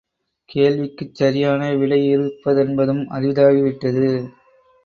கேள்விக்குச் சரியான விடையிறுப்பதென்பதும் அரிதாகிவிட்டது.